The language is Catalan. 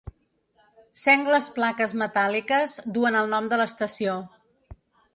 Sengles plaques metàl·liques duen el nom de l'estació.